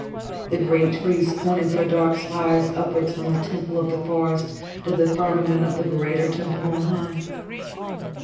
The great trees pointed their dark spires upwards from the temple of the forest to the firmament of the greater temple on high.